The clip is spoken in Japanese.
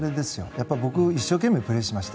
やっぱり僕一生懸命プレーしました。